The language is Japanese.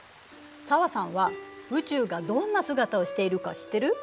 紗和さんは宇宙がどんな姿をしているか知ってる？